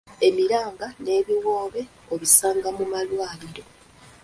Emiranga n'ebiwoobe obisanga mu malwaliro.